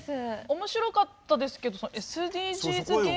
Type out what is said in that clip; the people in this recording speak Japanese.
面白かったですけどＳＤＧｓ芸人。